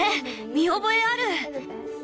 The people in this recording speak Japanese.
見覚えある！